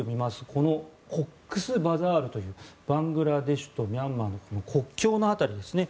このコックスバザールというバングラデシュとミャンマーの国境の辺りですね。